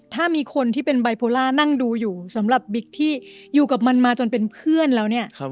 ถ้ามีคนที่เป็นไบโพล่านั่งดูอยู่สำหรับบิ๊กที่อยู่กับมันมาจนเป็นเพื่อนแล้วเนี่ย